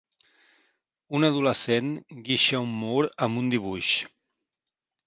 Un adolescent guixa un mur amb un dibuix.